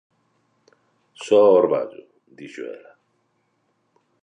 _Só orballo _dixo ela.